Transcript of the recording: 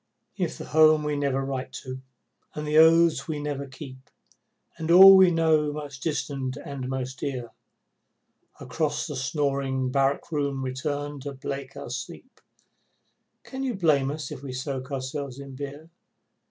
If the home we never write to, and the oaths we never keep, And all we know most distant and most dear, Across the snoring barrack room return to break our sleep, Can you blame us if we soak ourselves in beer?